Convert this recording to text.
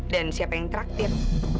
dan siapa yang traktir